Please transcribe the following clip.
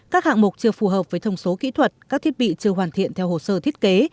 các hạng mục chưa phù hợp với thông số kỹ thuật các thiết bị chưa hoàn thiện theo hồ sơ thiết kế